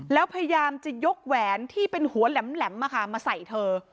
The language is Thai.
แล้วพยายามจะยกแหวนที่เป็นหัวแหลมมาใส่เธอ